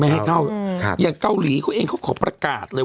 ให้เข้าอย่างเกาหลีเขาเองเขาขอประกาศเลย